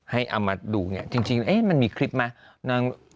ให้เอามาดูเนี่ยจริงมันมีคลิปไหม